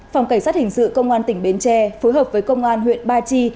phòng cảnh sát hình sự công an tỉnh bến tre phối hợp với công an huyện ba chi